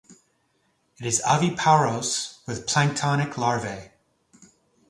It is oviparous with planktonic larvae.